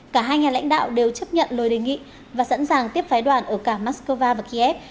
cả hai nhà lãnh đạo đều chấp nhận lời đề nghị và sẵn sàng tiếp phái đoàn ở cả moscow và kiev